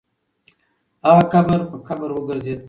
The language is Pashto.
هغه قبر په قبر وګرځېد.